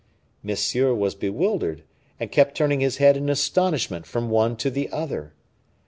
Monsieur was bewildered, and kept turning his head in astonishment from one to the other.